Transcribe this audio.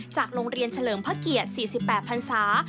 จากโรงเรียนเฉลิมพระเกียรติ๔๘ภัณฑ์ศาสตร์